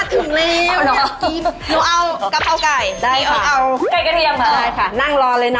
หนูจะแบบไม่อยู่ตอนนี้